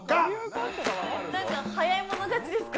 何か早い者勝ちですか？